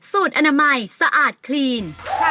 สูตรอนามัยสะอาดคลีน